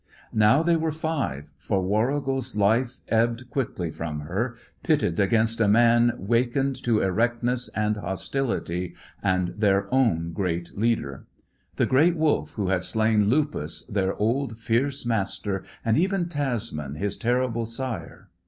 Now they were five for Warrigal's life ebbed quickly from her pitted against a man wakened to erectness and hostility, and their own great leader; the great Wolf, who had slain Lupus, their old fierce master, and even Tasman, his terrible sire.